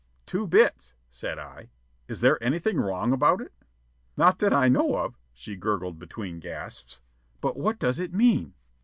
"Two bits," said I; "is there anything wrong about it?" "Not that I know of," she gurgled between gasps; "but what does it mean?"